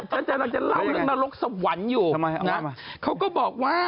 กำลังจะเล่าเรื่องนรกสวรรค์อยู่นะเขาก็บอกว่า